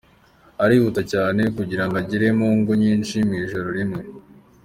Arihuta cyane kugira ngo agere mu ngo nyinshi mu ijoro rimwe.